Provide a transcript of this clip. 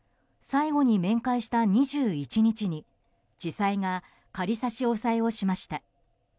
最後に面会した２１日に地裁が仮差し押さえをしました。